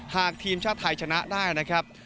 หากทีมชาติไทยชนะได้นะครับ